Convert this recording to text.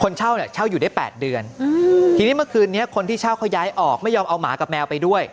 เช่าเนี่ยเช่าอยู่ได้๘เดือนทีนี้เมื่อคืนนี้คนที่เช่าเขาย้ายออกไม่ยอมเอาหมากับแมวไปด้วย